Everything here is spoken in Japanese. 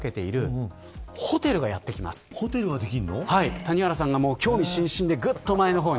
谷原さんが興味津々でぐっと前の方に。